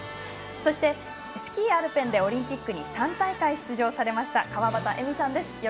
そして、スキー・アルペンでオリンピックに３大会出場された川端絵美さんです。